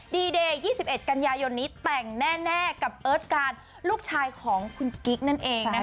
ดีเดย์๒๑กันยายนนี้แต่งแน่กับเอิ้ทการด์ลูกชายนั้นเอง